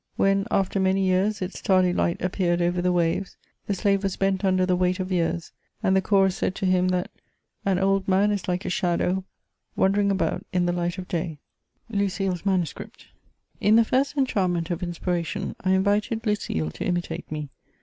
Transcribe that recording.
When, after many years, its tardy light appeared over the waves, the slave wa« bent under the weight of years, and the chorus said to him, that *'an old man is like a shadow wandering about in the Ught of day.' *9 LUCILE*S MANUSCRIPT. In the first enchantment of inspiration, I invited Lucile to imitate me.